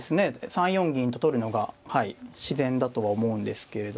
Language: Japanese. ３四銀と取るのが自然だとは思うんですけれども。